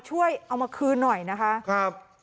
ช่วยเอามาคืนน้อยนะคะ